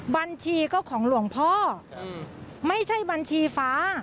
บัญชีก็ของหลวงพ่อไม่ใช่บัญชีฟ้า